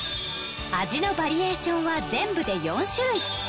味のバリエーションは全部で４種類。